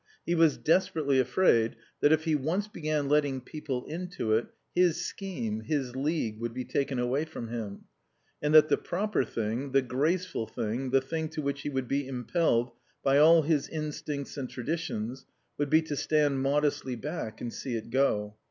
He was desperately afraid that, if he once began letting people into it, his scheme, his League, would be taken away from him; and that the proper thing, the graceful thing, the thing to which he would be impelled by all his instincts and traditions, would be to stand modestly back and see it go.